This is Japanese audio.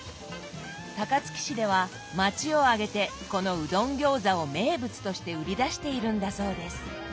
高槻市では町を挙げてこのうどんギョーザを名物として売り出しているんだそうです。